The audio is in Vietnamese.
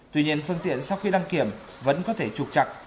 tuy nhiên phương tiện sau khi đăng kiểm vẫn có thể trục chặt